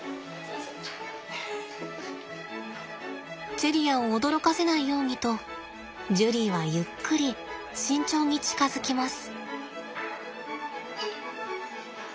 チェリアを驚かせないようにとジュリーはゆっくり慎重に近づきます。